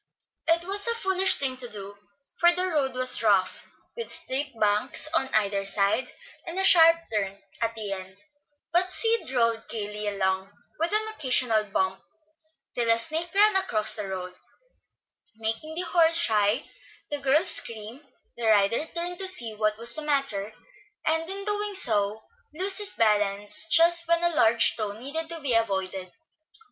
It was a foolish thing to do, for the road was rough, with steep banks on either side, and a sharp turn at the end; but Sid rolled gayly along, with an occasional bump, till a snake ran across the road, making the horse shy, the girls scream, the rider turn to see what was the matter, and in doing so lose his balance just when a large stone needed to be avoided.